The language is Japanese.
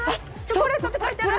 チョコレートって書いてある！